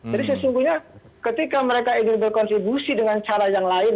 jadi sesungguhnya ketika mereka ingin berkontribusi dengan cara yang lain